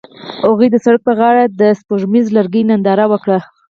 هغوی د سړک پر غاړه د سپوږمیز لرګی ننداره وکړه.